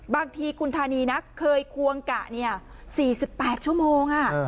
บางทีคุณธานีนะเคยควงกะ๔๘ชั่วโมง